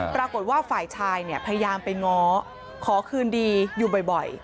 ปรากฏว่าฝ่ายชายเนี่ยพยายามไปง้อขอคืนดีอยู่บ่อย